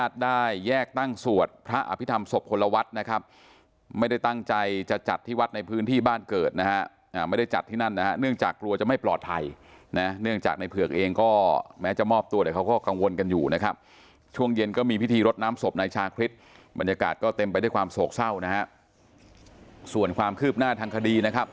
ที่ทำศพคนละวัดนะครับไม่ได้ตั้งใจจะจัดที่วัดในพื้นที่บ้านเกิดนะฮะไม่ได้จัดที่นั่นนะฮะเนื่องจากกลัวจะไม่ปลอดภัยนะเนื่องจากในเผือกเองก็แม้จะมอบตัวแต่เขาก็กังวลกันอยู่นะครับช่วงเย็นก็มีพิธีรดน้ำศพในชาคริสต์บรรยากาศก็เต็มไปด้วยความโศกเศร้านะฮะส่วนความคืบหน้าทางคด